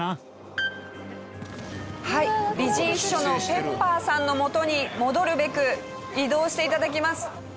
はい美人秘書のペッパーさんの元に戻るべく移動して頂きます。